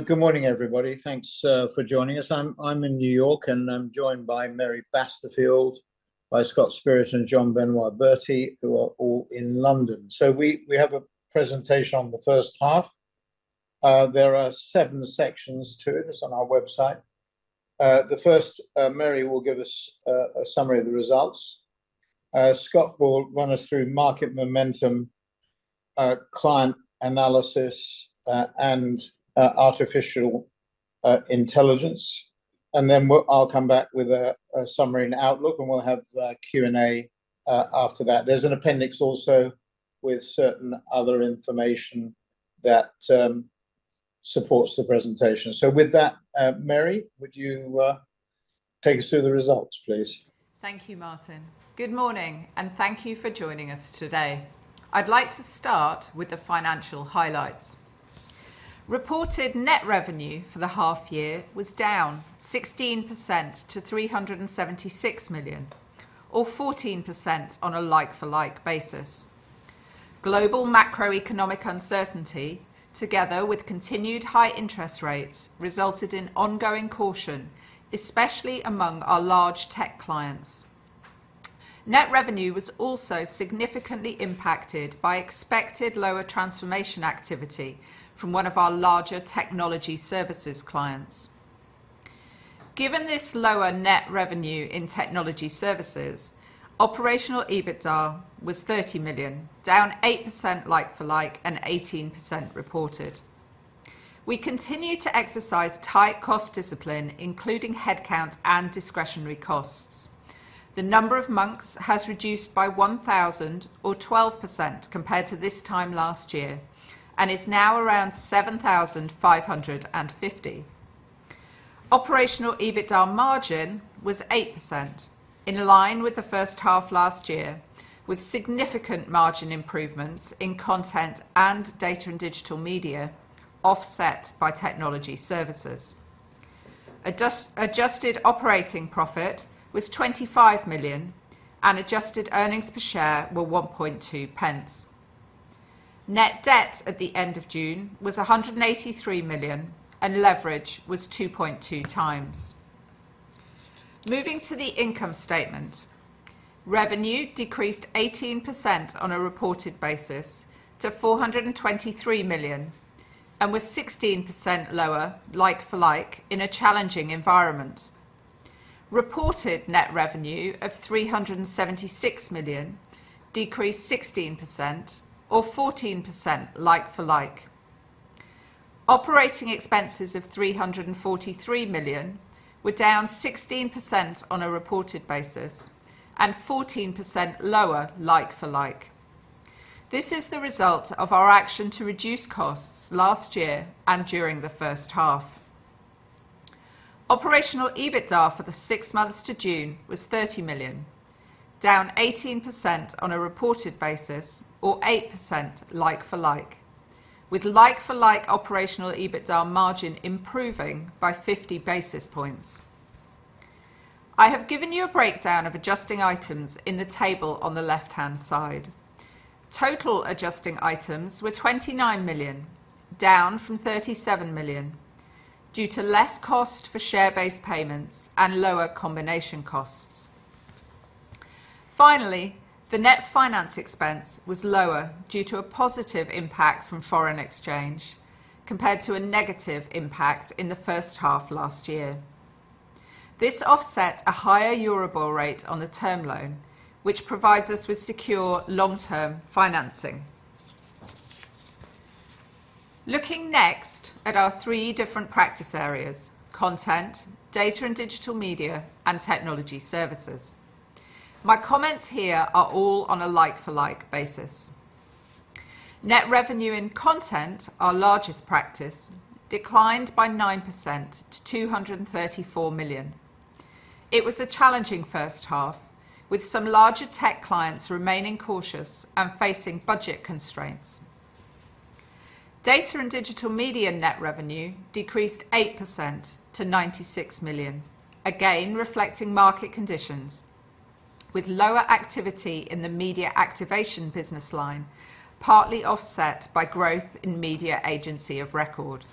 Good morning, everybody. Thanks for joining us. I'm in New York, and I'm joined by Mary Basterfield, by Scott Spirit, and Jean-Benoit Berty, who are all in London. So we have a presentation on the first half. There are seven sections to it. It's on our website. The first, Mary will give us a summary of the results. Scott will run us through market momentum, client analysis, and artificial intelligence. And then I'll come back with a summary and outlook, and we'll have Q&A after that. There's an appendix also with certain other information that supports the presentation. So with that, Mary, would you take us through the results, please? Thank you, Martin. Good morning, and thank you for joining us today. I'd like to start with the financial highlights. Reported net revenue for the half year was down 16% to 376 million, or 14% on a like-for-like basis. Global macroeconomic uncertainty, together with continued high interest rates, resulted in ongoing caution, especially among our large tech clients. Net revenue was also significantly impacted by expected lower transformation activity from one of our larger Technology Services clients. Given this lower net revenue in Technology Services, operational EBITDA was 30 million, down 8% like-for-like and 18% reported. We continue to exercise tight cost discipline, including headcount and discretionary costs. The number of Monks has reduced by 1,000 or 12% compared to this time last year and is now around 7,550. Operational EBITDA margin was 8%, in line with the first half last year, with significant margin improvements in content and data and digital media, offset by technology services. Adjusted operating profit was £25 million, and adjusted earnings per share were 1.2 pence. Net debt at the end of June was £183 million, and leverage was 2.2 times. Moving to the income statement, revenue decreased 18% on a reported basis to £423 million and was 16% lower like-for-like in a challenging environment. Reported net revenue of £376 million decreased 16% or 14% like-for-like. Operating expenses of £343 million were down 16% on a reported basis and 14% lower like-for-like. This is the result of our action to reduce costs last year and during the first half. Operational EBITDA for the six months to June was 30 million, down 18% on a reported basis or 8% like-for-like, with like-for-like operational EBITDA margin improving by 50 basis points. I have given you a breakdown of adjusting items in the table on the left-hand side. Total adjusting items were 29 million, down from 37 million, due to less cost for share-based payments and lower combination costs. Finally, the net finance expense was lower due to a positive impact from foreign exchange compared to a negative impact in the first half last year. This offset a higher Eurobond rate on the term loan, which provides us with secure long-term financing. Looking next at our three different practice areas: content, data and digital media, and technology services. My comments here are all on a like-for-like basis. Net revenue in content, our largest practice, declined by 9% to 234 million. It was a challenging first half, with some larger tech clients remaining cautious and facing budget constraints. Data and digital media net revenue decreased 8% to 96 million, again reflecting market conditions, with lower activity in the media activation business line, partly offset by growth in media agency of record.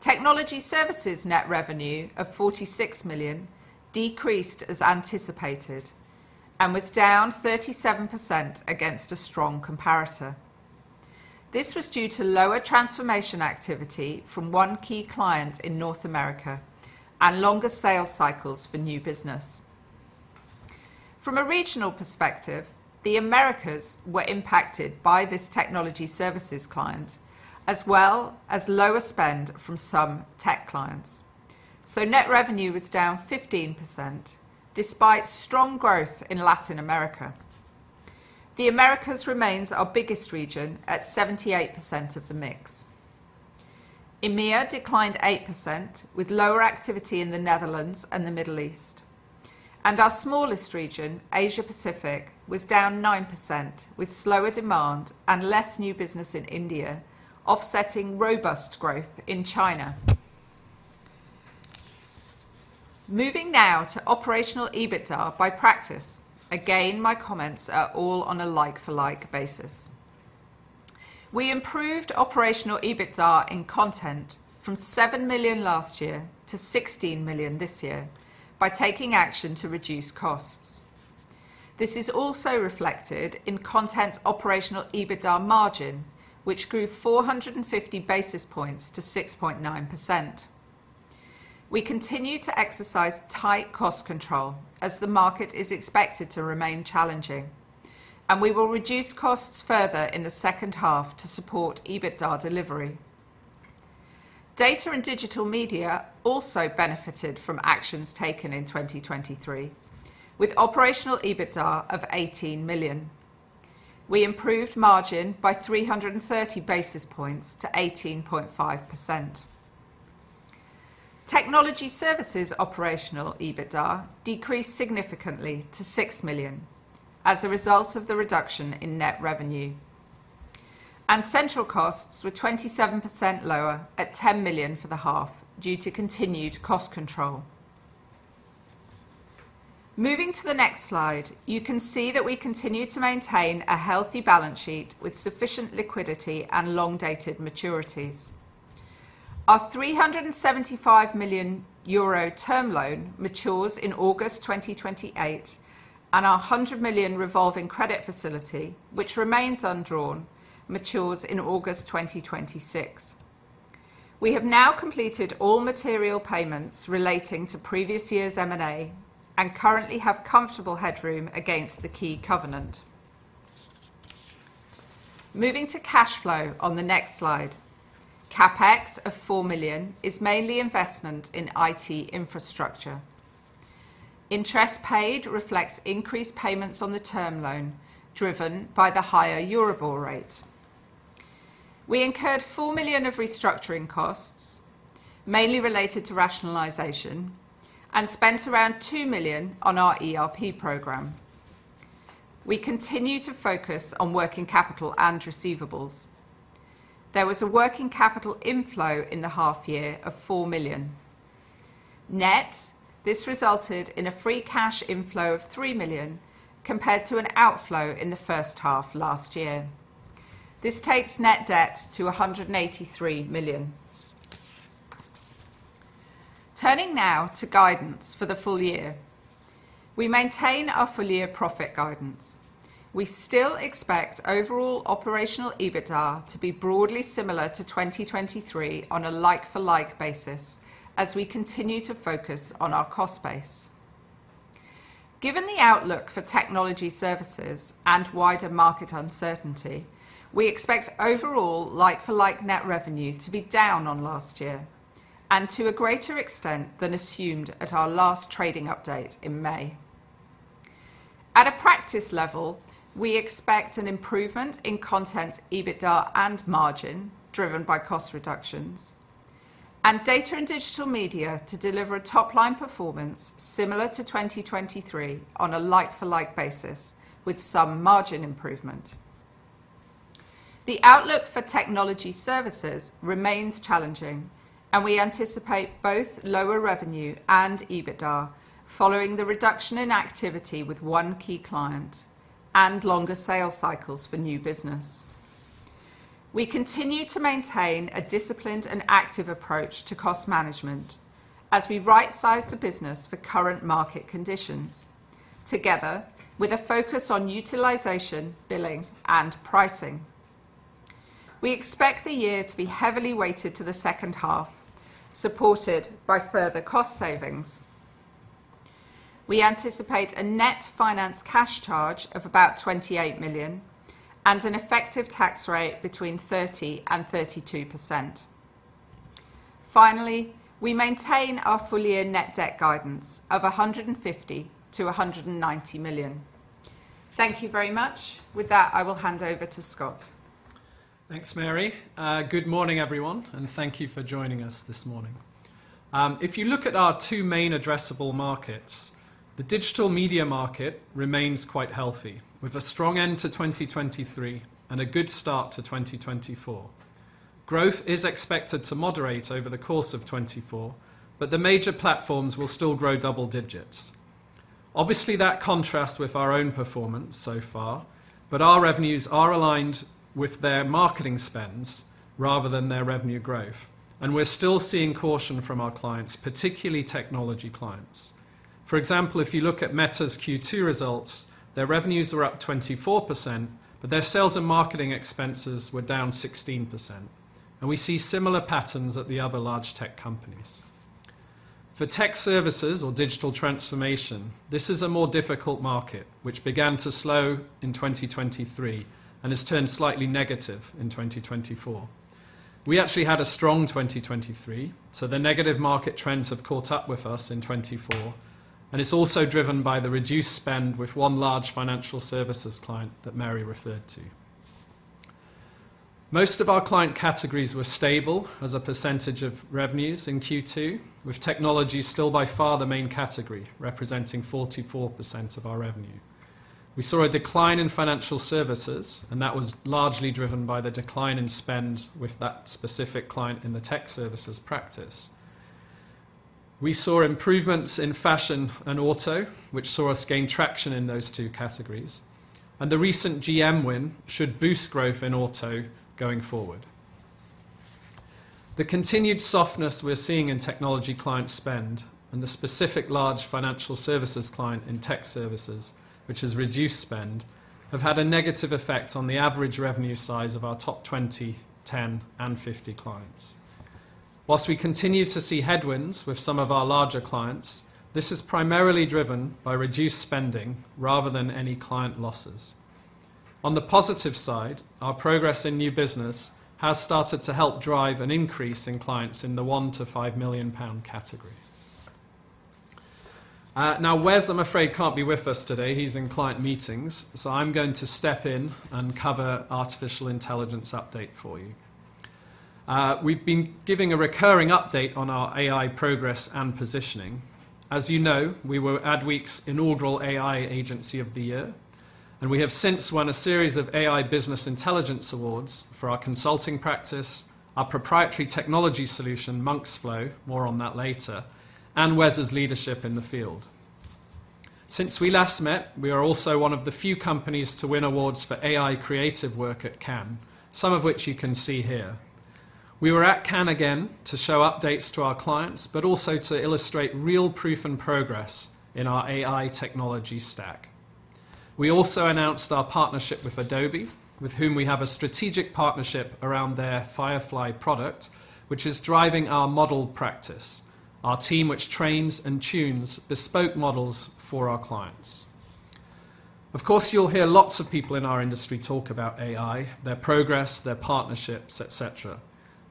Technology services net revenue of 46 million decreased as anticipated and was down 37% against a strong comparator. This was due to lower transformation activity from one key client in North America and longer sales cycles for new business. From a regional perspective, the Americas were impacted by this technology services client, as well as lower spend from some tech clients. So net revenue was down 15%, despite strong growth in Latin America. The Americas remains our biggest region at 78% of the mix. EMEA declined 8%, with lower activity in the Netherlands and the Middle East, and our smallest region, Asia Pacific, was down 9%, with slower demand and less new business in India, offsetting robust growth in China. Moving now to operational EBITDA by practice. Again, my comments are all on a like-for-like basis. We improved operational EBITDA in content from 7 million last year to 16 million this year, by taking action to reduce costs. This is also reflected in content's operational EBITDA margin, which grew four hundred and fifty basis points to 6.9%. We continue to exercise tight cost control as the market is expected to remain challenging, and we will reduce costs further in the second half to support EBITDA delivery. Data & Digital Media also benefited from actions taken in 2023, with operational EBITDA of 18 million. We improved margin by 330 basis points to 18.5%. Technology Services operational EBITDA decreased significantly to 6 million as a result of the reduction in net revenue, and central costs were 27% lower at 10 million for the half, due to continued cost control. Moving to the next slide, you can see that we continue to maintain a healthy balance sheet with sufficient liquidity and long-dated maturities. Our 375 million euro term loan matures in August 2028, and our 100 million revolving credit facility, which remains undrawn, matures in August 2026. We have now completed all material payments relating to previous year's M&A and currently have comfortable headroom against the key covenant. Moving to cash flow on the next slide. CapEx of 4 million is mainly investment in IT infrastructure. Interest paid reflects increased payments on the term loan, driven by the higher Euribor rate. We incurred 4 million of restructuring costs, mainly related to rationalization, and spent around 2 million on our ERP program. We continue to focus on working capital and receivables. There was a working capital inflow in the half year of 4 million. Net, this resulted in a free cash inflow of 3 million compared to an outflow in the first half last year. This takes net debt to 183 million. Turning now to guidance for the full year. We maintain our full-year profit guidance. We still expect overall operational EBITDA to be broadly similar to 2023 on a like-for-like basis as we continue to focus on our cost base. Given the outlook for technology services and wider market uncertainty, we expect overall like-for-like net revenue to be down on last year and to a greater extent than assumed at our last trading update in May. At a practice level, we expect an improvement in content EBITDA and margin, driven by cost reductions, and data and digital media to deliver a top-line performance similar to 2023 on a like-for-like basis, with some margin improvement. The outlook for technology services remains challenging, and we anticipate both lower revenue and EBITDA following the reduction in activity with one key client and longer sales cycles for new business. We continue to maintain a disciplined and active approach to cost management as we rightsize the business for current market conditions, together with a focus on utilization, billing, and pricing. We expect the year to be heavily weighted to the second half, supported by further cost savings. We anticipate a net finance cash charge of about $28 million and an effective tax rate between 30% and 32%. Finally, we maintain our full-year net debt guidance of $150-$190 million. Thank you very much. With that, I will hand over to Scott. Thanks, Mary. Good morning, everyone, and thank you for joining us this morning. If you look at our two main addressable markets, the digital media market remains quite healthy, with a strong end to twenty twenty-three and a good start to twenty twenty-four. Growth is expected to moderate over the course of twenty twenty-four, but the major platforms will still grow double digits. Obviously, that contrasts with our own performance so far, but our revenues are aligned with their marketing spends rather than their revenue growth, and we're still seeing caution from our clients, particularly technology clients. For example, if you look at Meta's Q2 results, their revenues were up 24%, but their sales and marketing expenses were down 16%, and we see similar patterns at the other large tech companies. For tech services or digital transformation, this is a more difficult market, which began to slow in 2023 and has turned slightly negative in 2024. We actually had a strong 2023, so the negative market trends have caught up with us in 2024, and it's also driven by the reduced spend with one large financial services client that Mary referred to. Most of our client categories were stable as a percentage of revenues in Q2, with technology still by far the main category, representing 44% of our revenue. We saw a decline in financial services, and that was largely driven by the decline in spend with that specific client in the tech services practice. We saw improvements in fashion and auto, which saw us gain traction in those two categories, and the recent GM win should boost growth in auto going forward. The continued softness we're seeing in technology client spend and the specific large financial services client in tech services, which has reduced spend, have had a negative effect on the average revenue size of our top twenty, ten, and fifty clients. While we continue to see headwinds with some of our larger clients, this is primarily driven by reduced spending rather than any client losses. On the positive side, our progress in new business has started to help drive an increase in clients in the £1-5 million pound category. Now, Wes, I'm afraid, can't be with us today. He's in client meetings, so I'm going to step in and cover artificial intelligence update for you. We've been giving a recurring update on our AI progress and positioning. We were Adweek's inaugural AI Agency of the Year, and we have since won a series of AI business intelligence awards for our consulting practice, our proprietary technology solution, MonksFlow, more on that later, and Wes's leadership in the field. Since we last met, we are also one of the few companies to win awards for AI creative work at Cannes, some of which you can see here. We were at Cannes again to show updates to our clients, but also to illustrate real proof and progress in our AI technology stack. We also announced our partnership with Adobe, with whom we have a strategic partnership around their Firefly product, which is driving our model practice, our team, which trains and tunes bespoke models for our clients. You'll hear lots of people in our industry talk about AI, their progress, their partnerships, et cetera,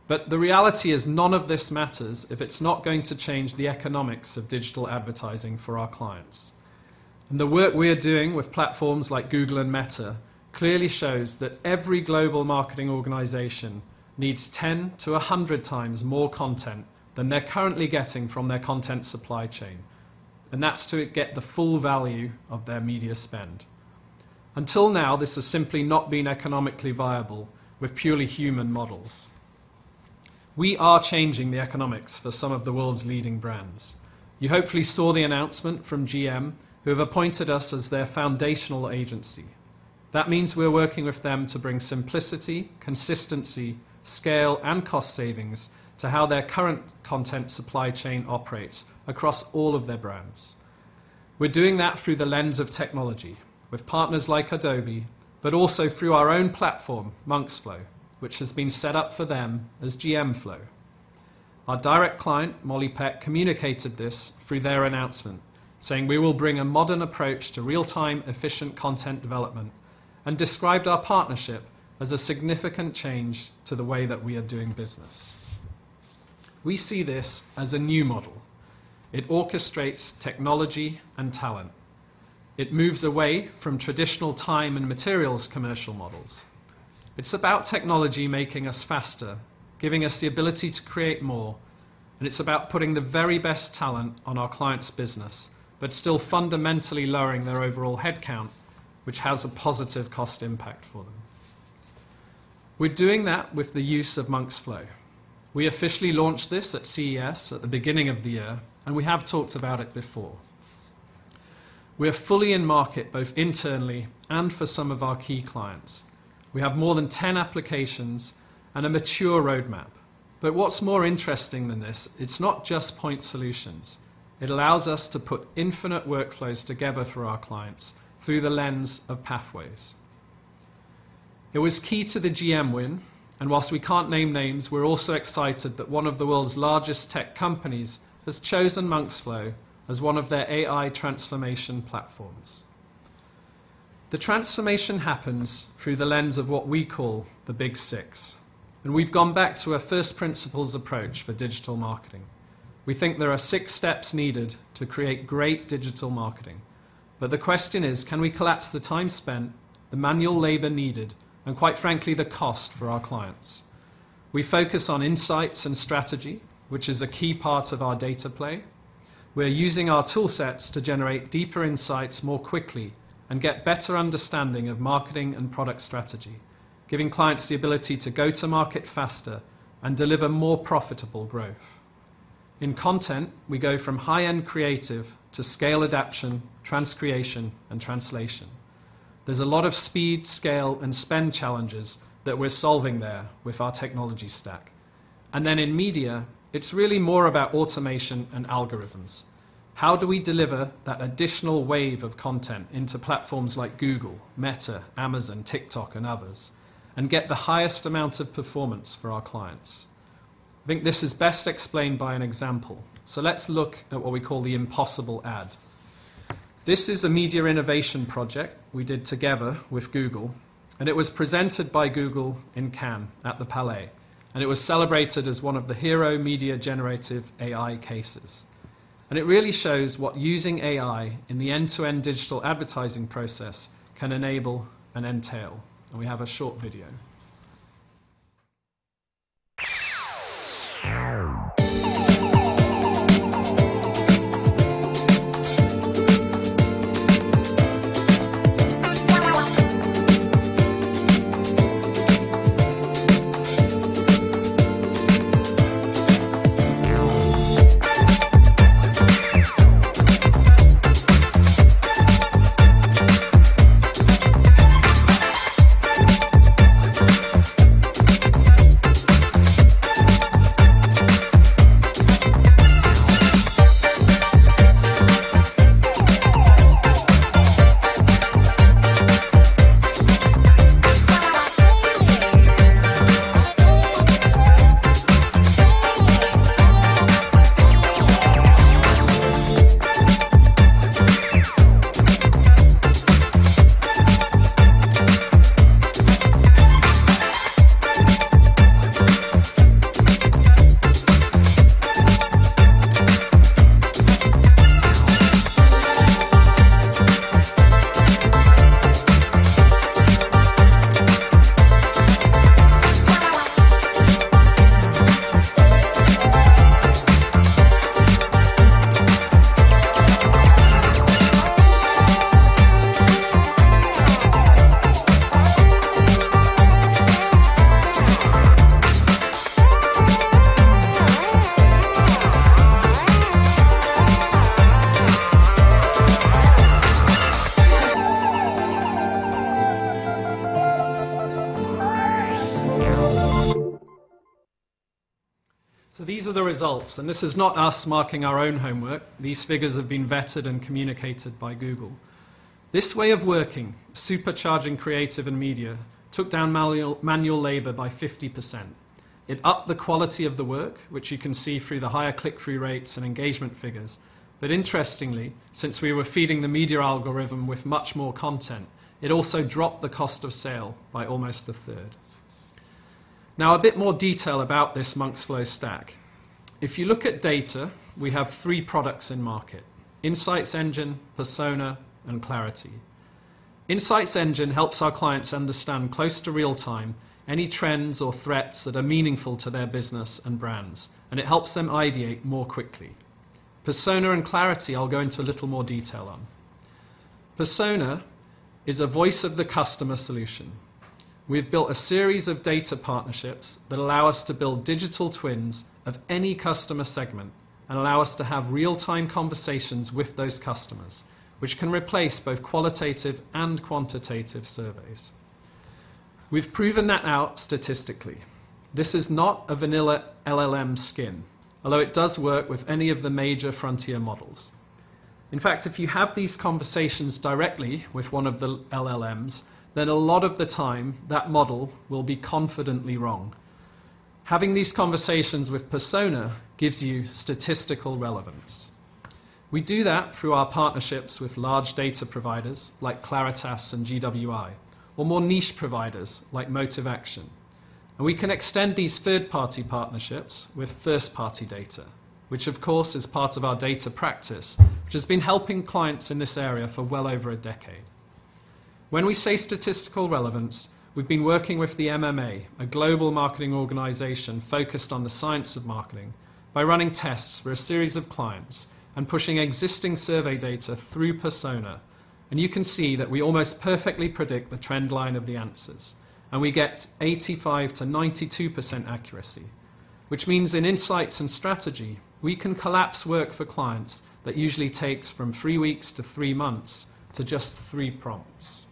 but the reality is, none of this matters if it's not going to change the economics of digital advertising for our clients, and the work we're doing with platforms like Google and Meta clearly shows that every global marketing organization needs ten to a hundred times more content than they're currently getting from their content supply chain, and that's to get the full value of their media spend. Until now, this has simply not been economically viable with purely human models. We are changing the economics for some of the world's leading brands. You hopefully saw the announcement from GM, who have appointed us as their foundational agency. That means we're working with them to bring simplicity, consistency, scale, and cost savings to how their current content supply chain operates across all of their brands. We're doing that through the lens of technology with partners like Adobe, but also through our own platform, MonksFlow, which has been set up for them as GMFlow. Our direct client, Molly Peck, communicated this through their announcement, saying, "We will bring a modern approach to real-time, efficient content development," and described our partnership as a significant change to the way that we are doing business. We see this as a new model. It orchestrates technology and talent. It moves away from traditional time and materials commercial models. It's about technology making us faster, giving us the ability to create more, and it's about putting the very best talent on our clients' business, but still fundamentally lowering their overall headcount, which has a positive cost impact for them. We're doing that with the use of MonksFlow. We officially launched this at CES at the beginning of the year, and we have talked about it before. We are fully in market, both internally and for some of our key clients. We have more than 10 applications and a mature roadmap. But what's more interesting than this, it's not just point solutions. It allows us to put infinite workflows together through our clients, through the lens of pathways. It was key to the GM win, and while we can't name names, we're also excited that one of the world's largest tech companies has chosen MonksFlow as one of their AI transformation platforms. The transformation happens through the lens of what we call the Big Six, and we've gone back to a first principles approach for digital marketing. We think there are six steps needed to create great digital marketing, but the question is: Can we collapse the time spent, the manual labor needed, and quite frankly, the cost for our clients? We focus on insights and strategy, which is a key part of our data play. We're using our toolsets to generate deeper insights more quickly and get better understanding of marketing and product strategy, giving clients the ability to go to market faster and deliver more profitable growth. In content, we go from high-end creative to scale adaptation, transcreation, and translation. There's a lot of speed, scale, and spend challenges that we're solving there with our technology stack, and then in media, it's really more about automation and algorithms. How do we deliver that additional wave of content into platforms like Google, Meta, Amazon, TikTok, and others, and get the highest amount of performance for our clients? I think this is best explained by an example, so let's look at what we call the Impossible Ad. This is a media innovation project we did together with Google, and it was presented by Google in Cannes at the Palais, and it was celebrated as one of the hero media-generative AI cases, and we have a short video. These are the results, and this is not us marking our own homework. These figures have been vetted and communicated by Google. This way of working, supercharging creative and media, took down manual labor by 50%. It upped the quality of the work, which you can see through the higher click-through rates and engagement figures. Interestingly, since we were feeding the media algorithm with much more content, it also dropped the cost of sale by almost a third. Now, a bit more detail about this MonksFlow stack. If you look at data, we have three products in market: Insights Engine, Persona, and Clarity. Insights Engine helps our clients understand close to real-time any trends or threats that are meaningful to their business and brands, and it helps them ideate more quickly. Persona and Clarity, I'll go into a little more detail on. Persona is a voice of the customer solution. We've built a series of data partnerships that allow us to build digital twins of any customer segment and allow us to have real-time conversations with those customers, which can replace both qualitative and quantitative surveys. We've proven that out statistically. This is not a vanilla LLM skin, although it does work with any of the major frontier models. In fact, if you have these conversations directly with one of the LLMs, then a lot of the time, that model will be confidently wrong. Having these conversations with Persona gives you statistical relevance. We do that through our partnerships with large data providers like Claritas and GWI, or more niche providers like Motivaction. We can extend these third-party partnerships with first-party data, which, of course, is part of our data practice, which has been helping clients in this area for well over a decade. When we say statistical relevance, we've been working with the MMA, a global marketing organization focused on the science of marketing, by running tests for a series of clients and pushing existing survey data through Persona. You can see that we almost perfectly predict the trend line of the answers, and we get 85%-92% accuracy, which means in insights and strategy, we can collapse work for clients that usually takes from three weeks to three months to just three prompts.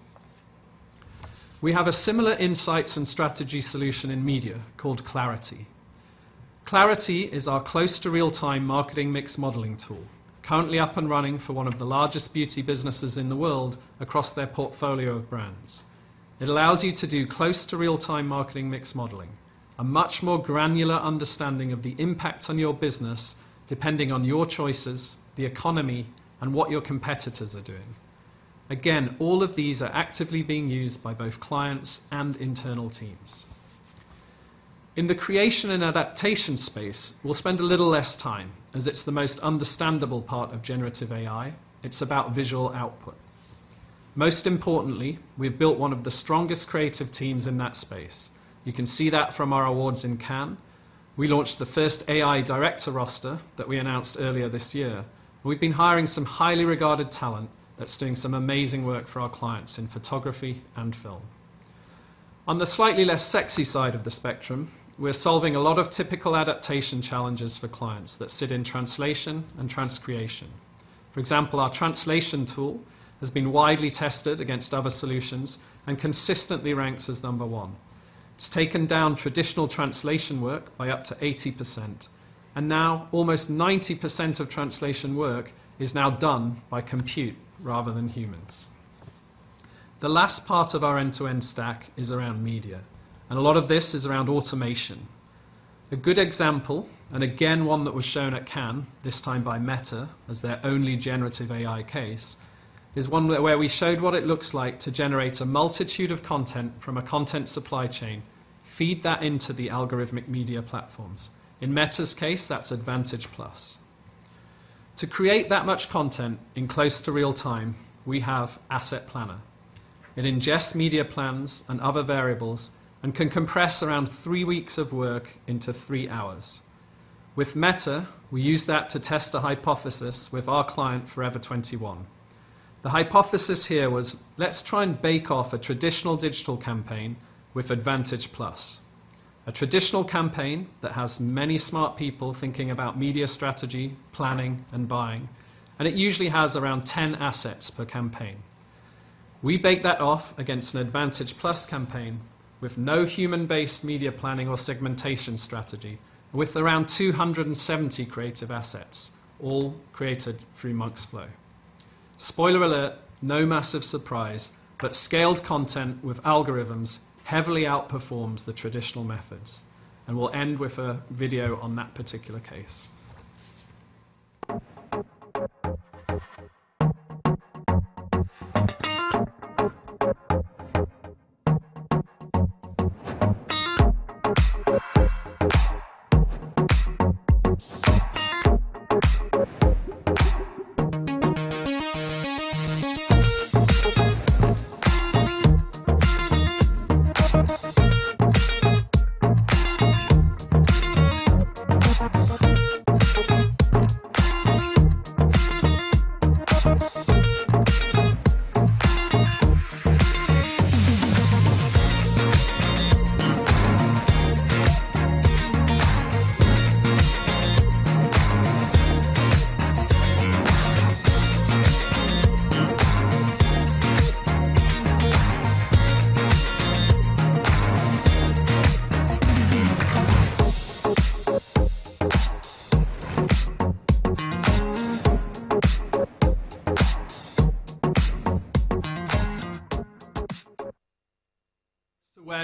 We have a similar insights and strategy solution in media called Clarity. Clarity is our close to real-time marketing mix modeling tool, currently up and running for one of the largest beauty businesses in the world across their portfolio of brands. It allows you to do close to real-time marketing mix modeling, a much more granular understanding of the impact on your business, depending on your choices, the economy, and what your competitors are doing. Again, all of these are actively being used by both clients and internal teams. In the creation and adaptation space, we'll spend a little less time, as it's the most understandable part of generative AI. It's about visual output. Most importantly, we've built one of the strongest creative teams in that space. You can see that from our awards in Cannes. We launched the first AI director roster that we announced earlier this year. We've been hiring some highly regarded talent that's doing some amazing work for our clients in photography and film. On the slightly less sexy side of the spectrum, we're solving a lot of typical adaptation challenges for clients that sit in translation and transcreation. For example, our translation tool has been widely tested against other solutions and consistently ranks as number one. It's taken down traditional translation work by up to 80%, and now almost 90% of translation work is now done by compute rather than humans. The last part of our end-to-end stack is around media, and a lot of this is around automation. A good example, and again, one that was shown at Cannes, this time by Meta, as their only generative AI case, is one where we showed what it looks like to generate a multitude of content from a content supply chain, feed that into the algorithmic media platforms. In Meta's case, that's Advantage+. To create that much content in close to real time, we have Asset Planner. It ingests media plans and other variables, and can compress around three weeks of work into three hours. With Meta, we use that to test a hypothesis with our client, Forever 21. The hypothesis here was, let's try and bake off a traditional digital campaign with Advantage plus, a traditional campaign that has many smart people thinking about media strategy, planning, and buying, and it usually has around ten assets per campaign. We bake that off against an Advantage plus campaign with no human-based media planning or segmentation strategy, with around 270 creative assets, all created through MonksFlow. Spoiler alert, no massive surprise, but scaled content with algorithms heavily outperforms the traditional methods, and we'll end with a video on that particular case.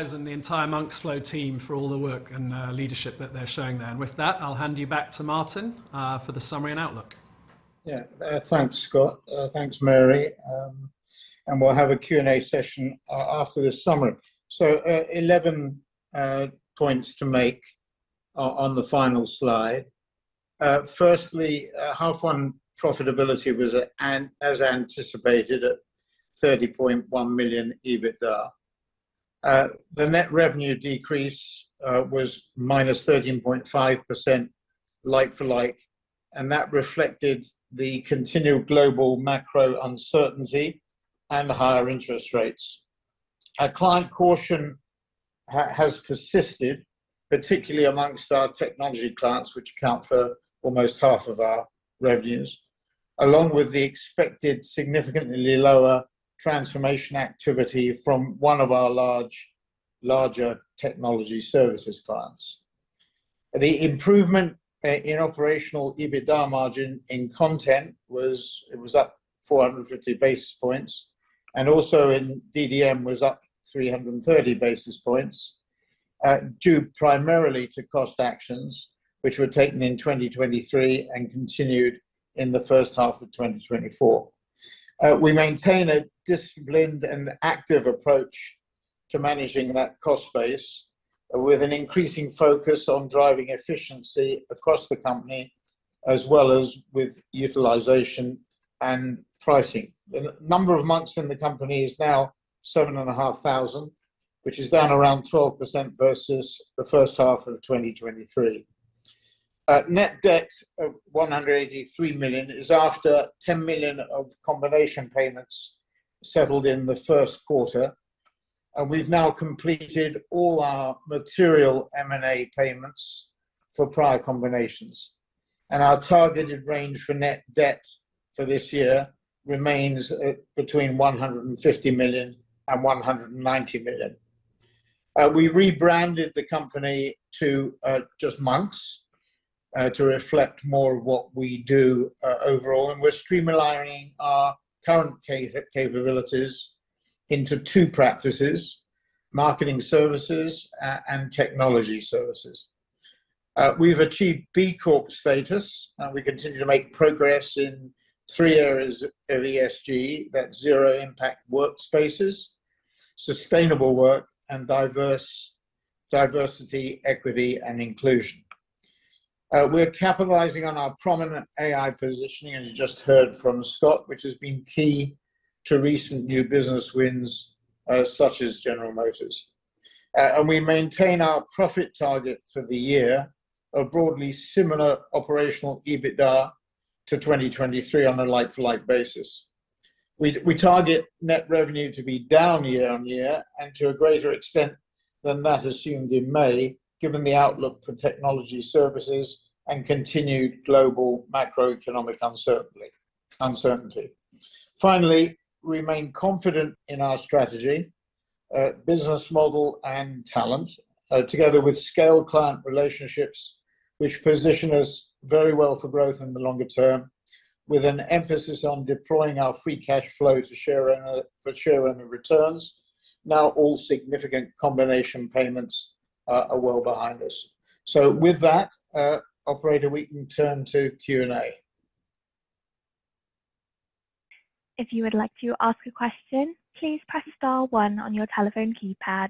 Tthe entire MonksFlow team for all the work and leadership that they're showing there. With that, I'll hand you back to Martin for the summary and outlook. Yeah. Thanks, Scott. Thanks, Mary. And we'll have a Q&A session after this summary. So, eleven points to make on the final slide. Firstly, half one profitability was, as anticipated, at $30.1 million EBITDA. The net revenue decrease was -13.5% like for like, and that reflected the continued global macro uncertainty and higher interest rates. Client caution has persisted, particularly among our technology clients, which account for almost half of our revenues, along with the expected significantly lower transformation activity from one of our larger technology services clients. The improvement in operational EBITDA margin in content was up 450 basis points, and also in DDM was up 330 basis points, due primarily to cost actions which were taken in 2023 and continued in the first half of 2024. We maintain a disciplined and active approach to managing that cost base, with an increasing focus on driving efficiency across the company, as well as with utilization and pricing. The number of Monks in the company is now 7,500, which is down around 12% versus the first half of 2023. Net debt of £183 million is after £10 million of combination payments settled in the first quarter, and we've now completed all our material M&A payments for prior combinations. Our targeted range for net debt for this year remains at between $150 million and $190 million. We rebranded the company to just Monks to reflect more of what we do overall, and we're streamlining our current capabilities into two practices: marketing services and technology services. We've achieved B Corp status, and we continue to make progress in three areas of ESG. That's zero-impact workspaces, sustainable work, and diversity, equity, and inclusion. We're capitalizing on our prominent AI positioning, as you just heard from Scott, which has been key to recent new business wins, such as General Motors. We maintain our profit target for the year of broadly similar operational EBITDA to 2023 on a like-for-like basis. We target net revenue to be down year on year, and to a greater extent than that assumed in May, given the outlook for Technology Services and continued global macroeconomic uncertainty. Finally, we remain confident in our strategy, business model, and talent, together with scale client relationships, which position us very well for growth in the longer term, with an emphasis on deploying our free cash flow to share owner returns. Now, all significant combination payments are well behind us. With that, operator, we can turn to Q&A. If you would like to ask a question, please press star one on your telephone keypad.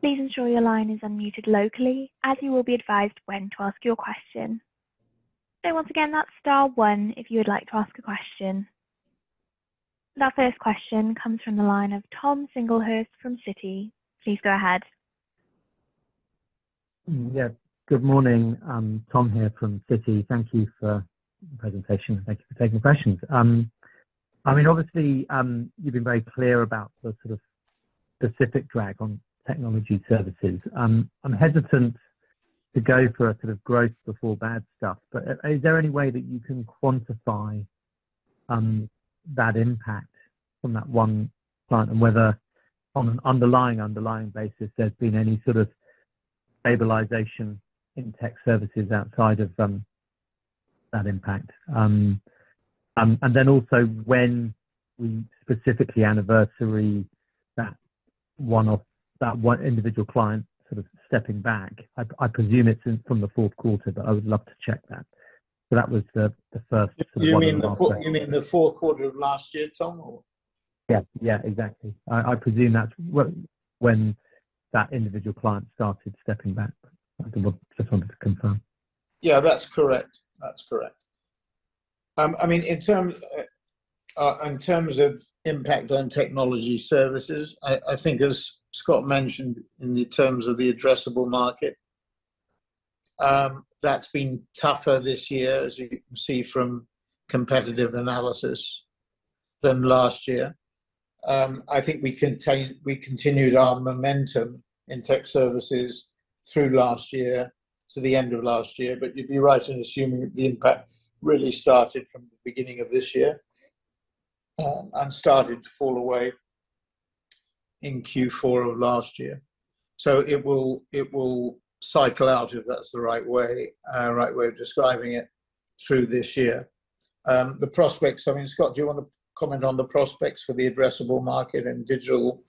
Please ensure your line is unmuted locally, as you will be advised when to ask your question. Once again, that's star one if you would like to ask a question. Our first question comes from the line of Tom Singlehurst from Citi. Please go ahead. Yeah, good morning. Tom here from Citi. Thank you for the presentation. Thank you for taking questions. I mean, obviously, you've been very clear about the specific drag on technology services. I'm hesitant to go for a growth before bad stuff, but is there any way that you can quantify that impact from that one client, and whether on an underlying, underlying basis, there's been any stabilization in tech services outside of that impact, and then also when we specifically anniversary that one individual client stepping back. I presume it's in from the fourth quarter, but I would love to check that. You mean the fourth quarter of last year, Tom, or? Yeah, yeah, exactly. I presume that's when that individual client started stepping back. I just wanted to confirm. Yeah, that's correct. That's correct. I mean, in terms, in terms of impact on Technology Services, I think as Scott mentioned in the terms of the addressable market, that's been tougher this year, as you can see from competitive analysis than last year. I think we continued our momentum in Tech Services through last year to the end of last year, but you'd be right in assuming that the impact really started from the beginning of this year, and started to fall away in Q4 of last year. So it will cycle out, if that's the right way of describing it, through this year. The prospects, I mean, Scott, do you want to comment on the prospects for the addressable market in digital,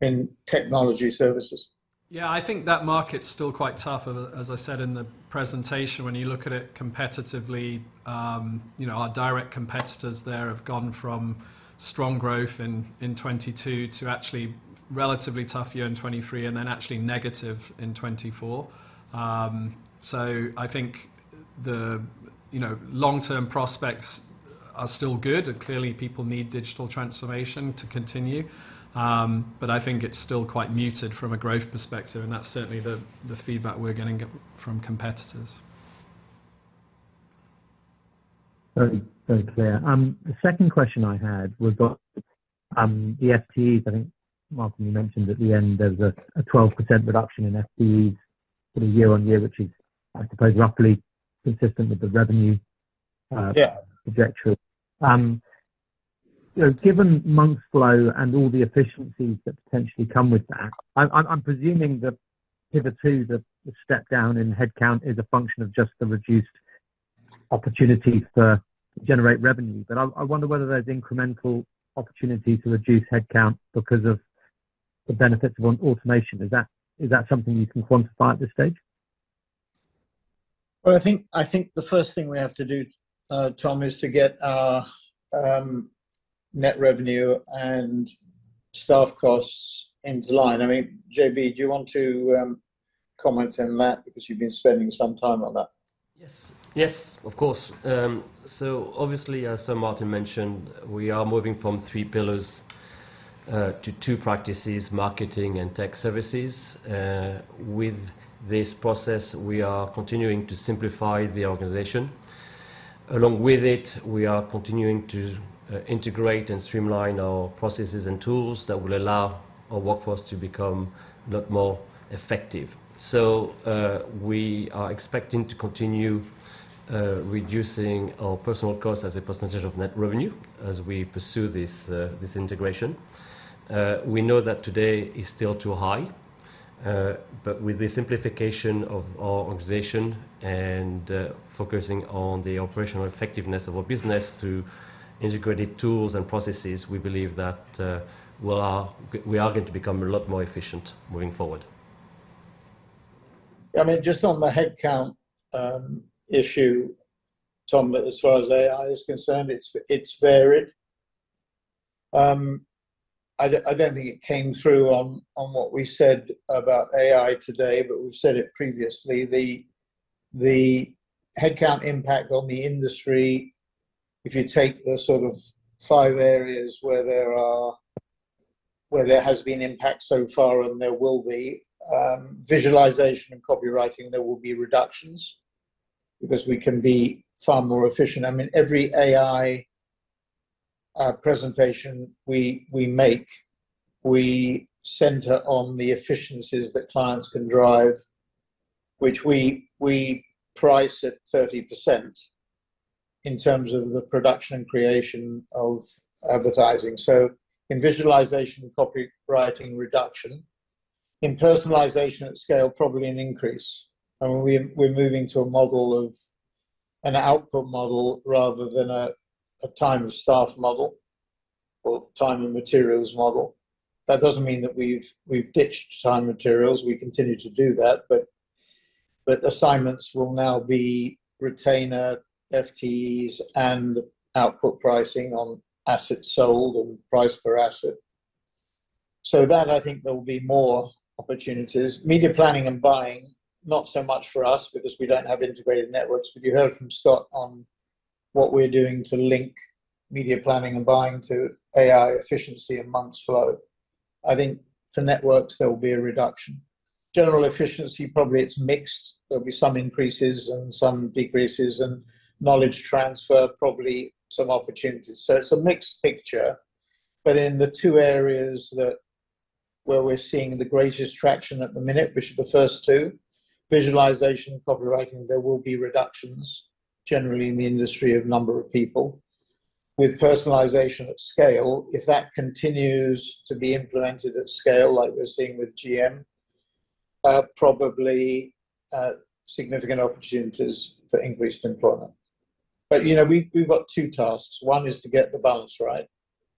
in Technology Services? I think that market's still quite tough. As I said in the presentation, when you look at it competitively our direct competitors there have gone from strong growth in 2022 to actually relatively tough year in 2023, and then actually negative in 2024. I think the long-term prospects are still good, and clearly people need digital transformation to continue. But I think it's still quite muted from a growth perspective, and that's certainly the feedback we're getting up from competitors. Very, very clear. The second question I had was about the FTEs. I think, Martin, you mentioned at the end there's a twelve percent reduction in FTE year on year, which is, I suppose, roughly consistent with the revenue. Yeah Trajectory. Given MonksFlow and all the efficiencies that potentially come with that, I'm presuming that pivot to the step down in headcount is a function of just the reduced opportunities to generate revenue. But I wonder whether there's incremental opportunity to reduce headcount because of the benefits of automation. Is that something you can quantify at this stage? I think the first thing we have to do, Tom, is to get our net revenue and staff costs into line. I mean, JB, do you want to comment on that because you've been spending some time on that? Yes. Obviously, as Sir Martin mentioned, we are moving from three pillars to two practices: marketing and tech services. With this process, we are continuing to simplify the organization. Along with it, we are continuing to integrate and streamline our processes and tools that will allow our workforce to become a lot more effective, so we are expecting to continue reducing our personnel costs as a percentage of net revenue as we pursue this integration. We know that today is still too high, but with the simplification of our organization and focusing on the operational effectiveness of our business through integrated tools and processes, we believe that we are going to become a lot more efficient moving forward. I mean, just on the headcount issue, Tom, as far as AI is concerned, it's varied. I don't think it came through on what we said about AI today, but we've said it previously, the headcount impact on the industry, if you take the five areas where there has been impact so far, and there will be visualization and copywriting, there will be reductions because we can be far more efficient. I mean, every AI presentation we make, we center on the efficiencies that clients can drive, which we price at 30% in terms of the production and creation of advertising. So in visualization and copywriting reduction, in personalization at scale, probably an increase. We are moving to a model of an output model rather than a time of staff model or time and materials model. That doesn't mean that we've ditched time and materials. We continue to do that, but assignments will now be retainer, FTEs, and output pricing on assets sold and price per asset. So that I think there will be more opportunities. Media planning and buying, not so much for us because we don't have integrated networks. But you heard from Scott on what we're doing to link media planning and buying to AI efficiency and MonksFlow. I think for networks, there will be a reduction. General efficiency, probably it's mixed. There'll be some increases and some decreases, and knowledge transfer, probably some opportunities. It's a mixed picture, but in the two areas where we're seeing the greatest traction at the minute, which are the first two, visualization, copywriting, there will be reductions generally in the industry in the number of people. With personalization at scale, if that continues to be implemented at scale, like we're seeing with GM, probably significant opportunities for increased employment. We've got two tasks. One is to get the balance right,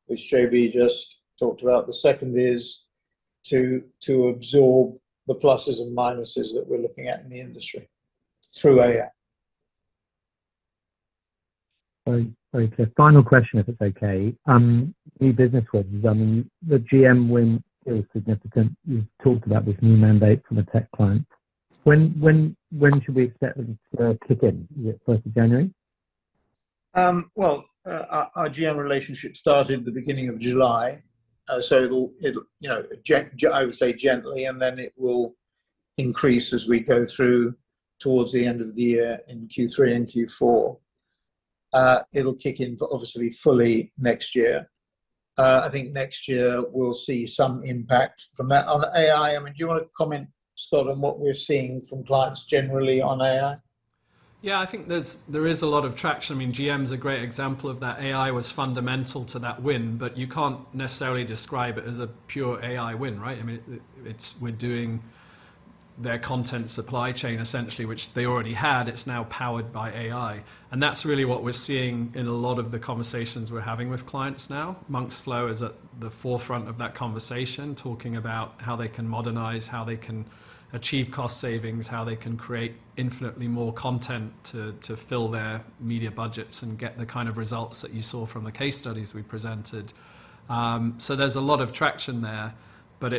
which JB just talked about. The second is to absorb the pluses and minuses that we're looking at in the industry through AI. Very clear. Final question, if it's okay. New business wins. I mean, the GM win is significant. You've talked about this new mandate from a tech client. When, when, when should we expect them to kick in? Yeah, first of January? Well, our GM relationship started the beginning of July, so it'll gently, and then it will increase as we go through towards the end of the year in Q3 and Q4. It'll kick in obviously fully next year. I think next year we'll see some impact from that. On AI, I mean, do you want to comment, Scott, on what we're seeing from clients generally on AI? I think there's a lot of traction. I mean, GM is a great example of that. AI was fundamental to that win, but you can't necessarily describe it as a pure AI win, right? I mean, we're doing their content supply chain, essentially, which they already had. It's now powered by AI, and that's really what we're seeing in a lot of the conversations we're having with clients now. MonksFlow is at the forefront of that conversation, talking about how they can modernize, how they can achieve cost savings, how they can create infinitely more content to fill their media budgets and get the results that you saw from the case studies we presented. There's a lot of traction there, but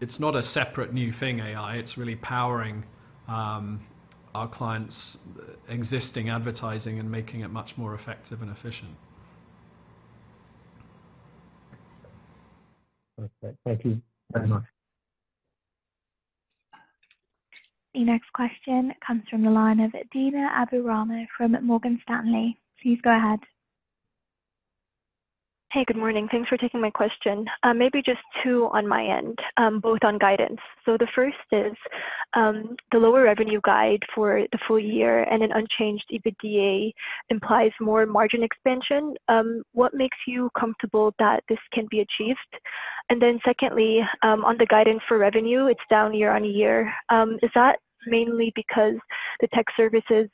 It's not a separate new thing, AI, it's really powering our clients' existing advertising and making it much more effective and efficient. Okay. Thank you very much. The next question comes from the line of Dina Abou-Rahme from Morgan Stanley. Please go ahead. Hey, good morning. Thanks for taking my question. Maybe just two on my end, both on guidance. The first is, the lower revenue guide for the full year and an unchanged EBITDA implies more margin expansion. What makes you comfortable that this can be achieved? Then secondly, on the guidance for revenue, it's down year on year. Is that mainly because the tech services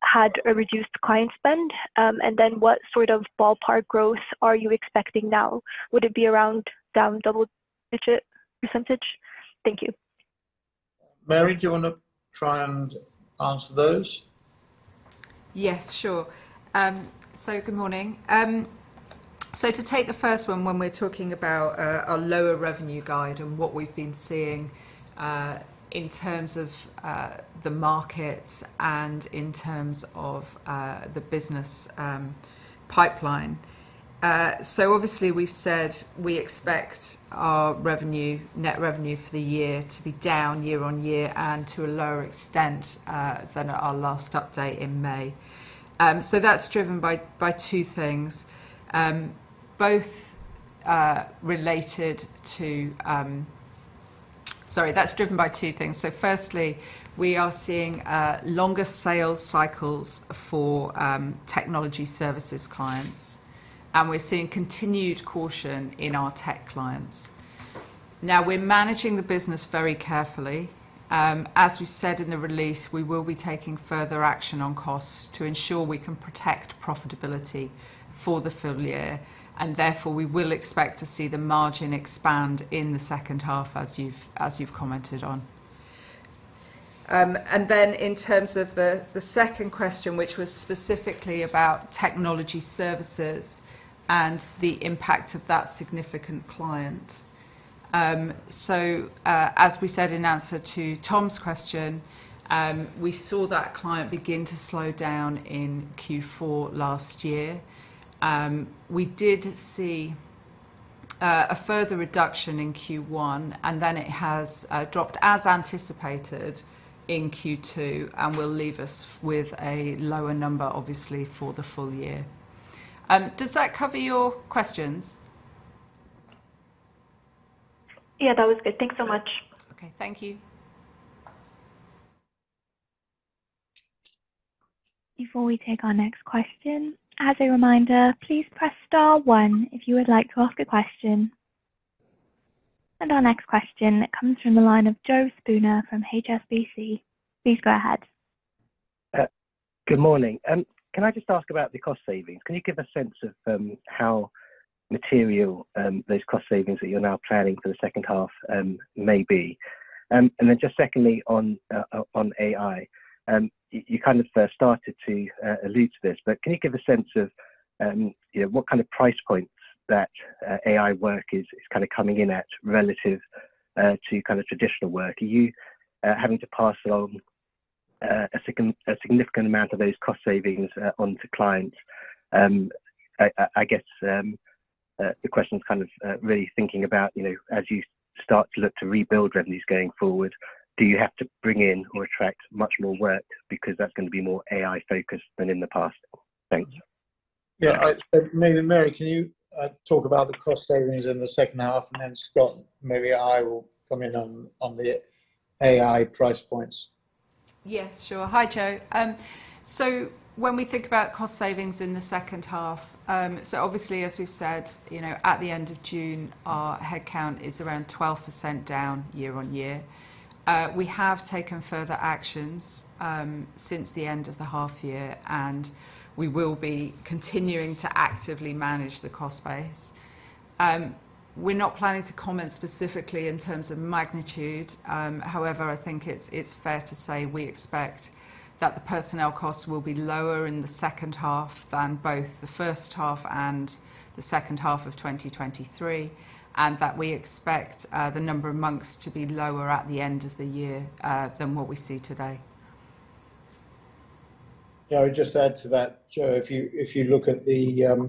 had a reduced client spend? Then what ballpark growth are you expecting now? Would it be around down double-digit percentage? Thank you. Mary, do you want to try and answer those? Yes, sure. So good morning. So to take the first one, when we're talking about a lower revenue guide and what we've been seeing in terms of the market and in terms of the business pipeline. So obviously, we've said we expect our revenue, net revenue for the year to be down year on year and to a lower extent than at our last update in May. So that's driven by two things. Sorry, that's driven by two things. Firstly, we are seeing longer sales cycles for technology services clients, and we're seeing continued caution in our tech clients. Now, we're managing the business very carefully. As we said in the release, we will be taking further action on costs to ensure we can protect profitability for the full year, and therefore, we will expect to see the margin expand in the second half, as you've commented on. Then in terms of the second question, which was specifically about Technology Services and the impact of that significant client. As we said in answer to Tom's question, we saw that client begin to slow down in Q4 last year. We did see a further reduction in Q1, and then it has dropped as anticipated in Q2, and will leave us with a lower number, obviously, for the full year. Does that cover your questions? Yeah, that was good. Thanks so much. Okay, thank you. Before we take our next question, as a reminder, please press star one if you would like to ask a question. Our next question comes from the line of Joe Spooner from HSBC. Please go ahead. Good morning. Can I just ask about the cost savings? Can you give a sense of how material those cost savings that you're now planning for the second half may be? Then just secondly, on AI. First started to allude to this, but can you give a sense of what price points that AI work is coming in at relative to traditional work? Are you having to pass on a significant amount of those cost savings on to clients? I guess the question's really thinking about as you start to look to rebuild revenues going forward, do you have to bring in or attract much more work because that's gonna be more AI-focused than in the past? Thank you. Maybe Mary, can you talk about the cost savings in the second half, and then, Scott, maybe I will come in on the AI price points. Yes, sure. Hi, Joe. When we think about cost savings in the second half, so obviously, as we've said at the end of June, our headcount is around 12% down year on year. We have taken further actions, since the end of the half year, and we will be continuing to actively manage the cost base. We're not planning to comment specifically in terms of magnitude, however, I think it's, it's fair to say we expect that the personnel costs will be lower in the second half than both the first half and the second half of 2023, and that we expect, the number of monks to be lower at the end of the year, than what we see today. Yeah, I would just add to that, Joe, if you look at the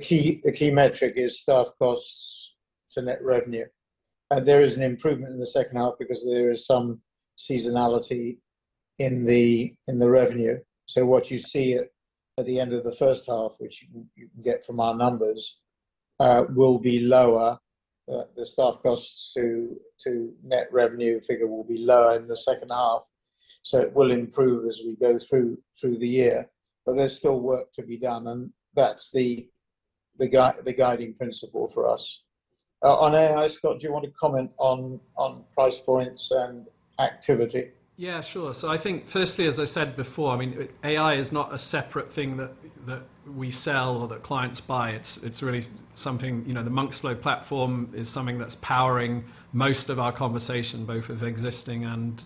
key metric is staff costs to net revenue. And there is an improvement in the second half because there is some seasonality in the revenue. So what you see at the end of the first half, which you can get from our numbers, will be lower. The staff costs to net revenue figure will be lower in the second half, so it will improve as we go through the year. But there's still work to be done, and that's the guiding principle for us. On AI, Scott, do you want to comment on price points and activity? Yeah, sure. I think firstly, as I said before, I mean, AI is not a separate thing that we sell or that clients buy. It's really something. The MonksFlow platform is something that's powering most of our conversation, both with existing and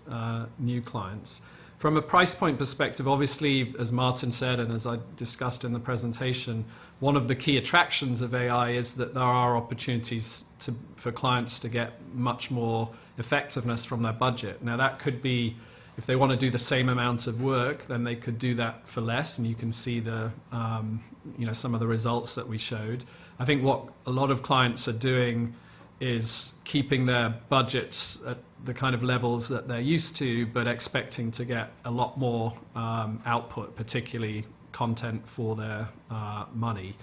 new clients. From a price point perspective, obviously, as Martin said, and as I discussed in the presentation, one of the key attractions of AI is that there are opportunities to, for clients to get much more effectiveness from their budget. Now, that could be if they wanna do the same amount of work, then they could do that for less, and you can see some of the results that we showed. I think what a lot of clients are doing is keeping their budgets at the levels that they're used to, but expecting to get a lot more output, particularly content for their money.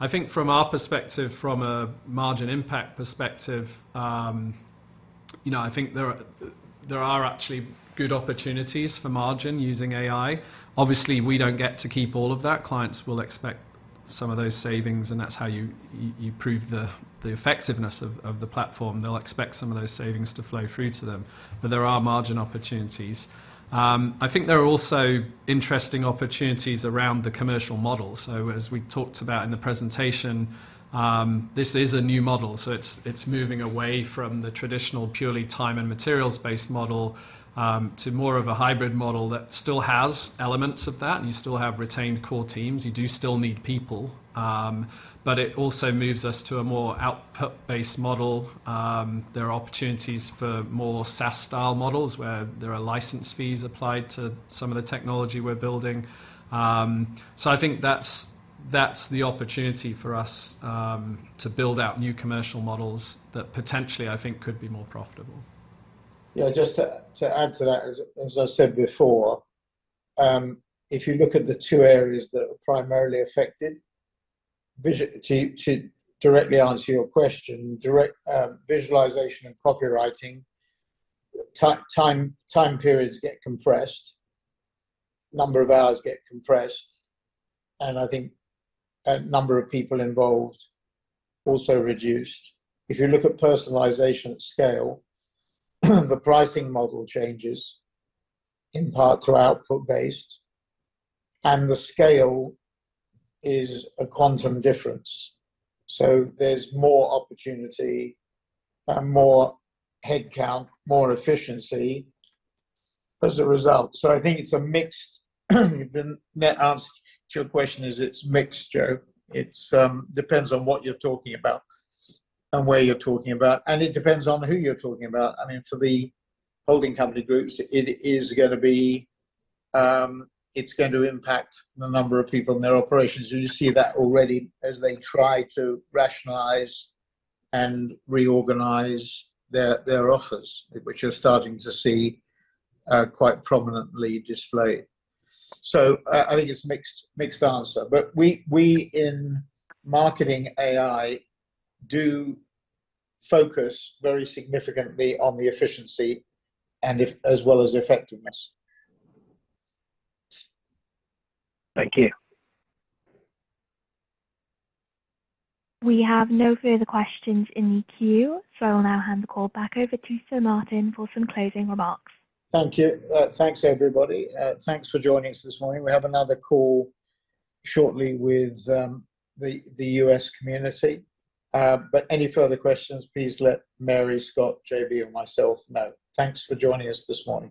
I think from our perspective, from a margin impact perspective I think there are actually good opportunities for margin using AI. Obviously, we don't get to keep all of that. Clients will expect some of those savings, and that's how you prove the effectiveness of the platform. They'll expect some of those savings to flow through to them, but there are margin opportunities. I think there are also interesting opportunities around the commercial model. As we talked about in the presentation, this is a new model, so it's, it's moving away from the traditional purely time and materials-based model, to more of a hybrid model that still has elements of that, and you still have retained core teams. You do still need people, but it also moves us to a more output-based model. There are opportunities for more SaaS-style models, where there are license fees applied to some of the technology we're building. I think that's, that's the opportunity for us, to build out new commercial models that potentially, I think, could be more profitable. Yeah, just to add to that, as I said before, if you look at the two areas that are primarily affected, to directly answer your question, visualization and copywriting, time periods get compressed, number of hours get compressed, and I think a number of people involved also reduced. If you look at personalization at scale, the pricing model changes in part to output based, and the scale is a quantum difference. So there's more opportunity and more headcount, more efficiency as a result. So I think it's a mixed, the net answer to your question is it's mixed, Joe. It depends on what you're talking about and where you're talking about, and it depends on who you're talking about. I mean, for the holding company groups, it is gonna be. It's going to impact the number of people in their operations, and you see that already as they try to rationalize and reorganize their offers, which we're starting to see quite prominently displayed. I think it's mixed, mixed answer, but we in marketing AI do focus very significantly on the efficiency and if- as well as effectiveness. Thank you. We have no further questions in the queue, so I will now hand the call back over to Sir Martin for some closing remarks. Thank you. Thanks, everybody. Thanks for joining us this morning. We have another call shortly with the U.S. community. But any further questions, please let Mary, Scott, JB, and myself know. Thanks for joining us this morning.